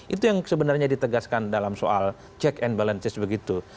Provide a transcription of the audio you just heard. itu yang sebenarnya ditegaskan dalam soal check and balances begitu